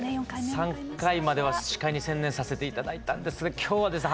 ３回までは司会に専念させて頂いたんですが今日はですね